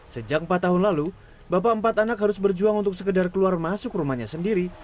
sejak empat tahun lalu bapak empat anak harus berjuang untuk sekedar keluar masuk rumahnya sendiri